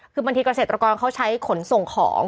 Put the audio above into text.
คือบางทีเกษตรกรเขาใช้ขนส่งของ